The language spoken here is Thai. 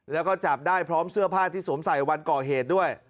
แล้วก็จับได้พร้อมเสื้อผ้าที่สวมใส่วันก่อเหตุด้วย